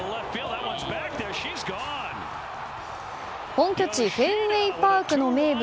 本拠地フェンウェイパークの名物